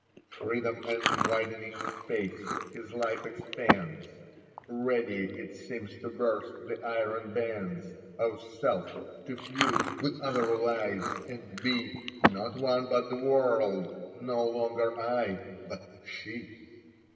Freedom and widening space : his life expands, Ready, it seems, to burst the iron bands Of self, to fuse with other lives and be Not one but the world, no longer " I " but " She."